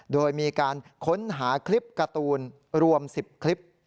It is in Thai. โดยมีการค้นหาคลิปการ์ตูนรวม๑๐คลิป